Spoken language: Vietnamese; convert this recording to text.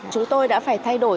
chúng tôi đã phải thay đổi